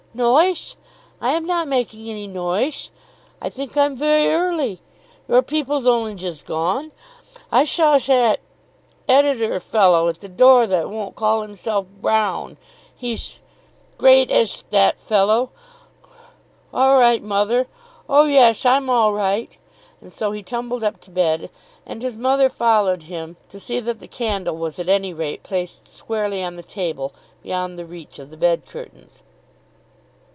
"Noish! I'm not making any noish. I think I'm very early. Your people's only just gone. I shaw shat editor fellow at the door that won't call himself Brown. He'sh great ass'h, that fellow. All right, mother. Oh, ye'sh I'm all right." And so he stumbled up to bed, and his mother followed him to see that the candle was at any rate placed squarely on the table, beyond the reach of the bed curtains.